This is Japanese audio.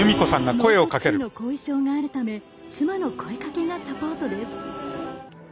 脳卒中の後遺症があるため妻の声かけがサポートです。